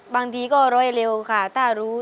บางทีก็ร้อยเร็วค่ะถ้ารู้